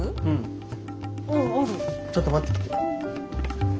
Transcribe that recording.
ちょっと持ってきて。